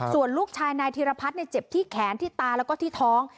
ส่วนลูกชายนายธีรพัฒน์เจ็บที่แขนที่ตาแล้วก็ที่ท้อง